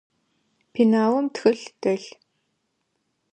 Пеналым тхылъ дэлъ.